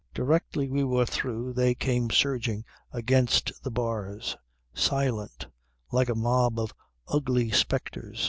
Directly we were through they came surging against the bars, silent, like a mob of ugly spectres.